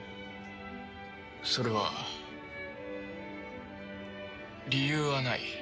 それは理由はない。